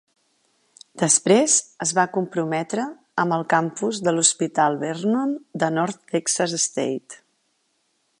Després es va comprometre amb el Campus de l'Hospital-Vernon de North Texas State.